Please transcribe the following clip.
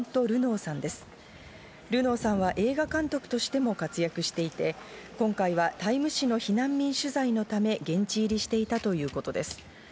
ルノーさんは映画監督としても活躍していて今回はタイム誌の避難民取材のため、現地入りしていたということです。